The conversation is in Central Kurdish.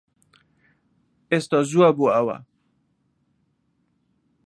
ئێستا زووە بۆ ئەوە